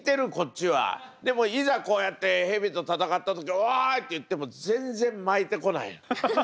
でもいざこうやって蛇と戦った時「おい！」って言っても全然巻いてこない。